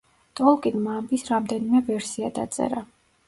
ტოლკინმა ამბის რამდენიმე ვერსია დაწერა.